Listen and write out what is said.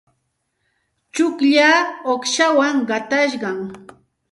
Tsullaaqa uuqshawan qatashqam.